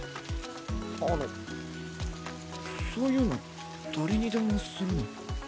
あのそういうの誰にでもするの？